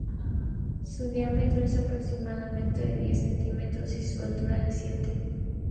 Su diámetro es aproximadamente de diez centímetros y su altura de siete.